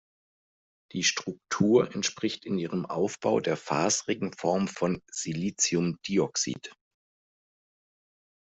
Die Struktur entspricht in ihrem Aufbau der faserigen Form von Siliciumdioxid.